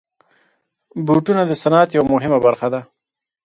بوټونه د صنعت یوه مهمه برخه ده.